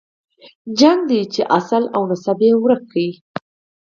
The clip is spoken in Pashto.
جګړه ده چې اصل او نسب یې ورک کړ.